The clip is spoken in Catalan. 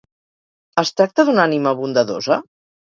Es tracta d'una ànima bondadosa?